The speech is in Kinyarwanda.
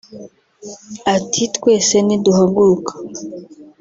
Ati “Twese niduhaguruka